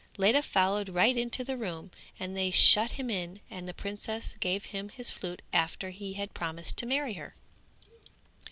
Ledha followed right into the room and they shut him in and the princess gave him his flute after he had promised to marry her.